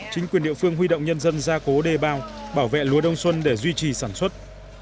chính quyền địa phương huy động nhân dân ra cố đề bào bảo vệ lúa đông xuân để duy trì sản xuất